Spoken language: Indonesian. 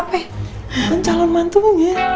bantuan calon mantu ibu ya